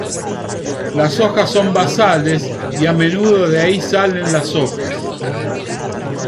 Las hojas son basales y a menudo de ahí salen las hojas.